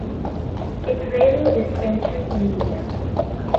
Its label is Century Media.